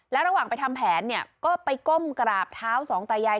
ระหว่างไปทำแผนเนี่ยก็ไปก้มกราบเท้าสองตายาย